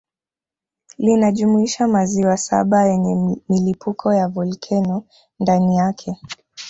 Linajumuisha maziwa saba yenye milipuko ya volkeno ndani yake